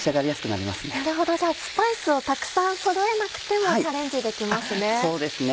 なるほどじゃあスパイスをたくさんそろえなくてもチャレンジできますね。